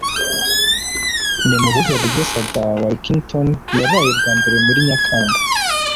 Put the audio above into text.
Ni mu buhe buryo Sada Walkington yabaye bwa mbere muri Nyakanga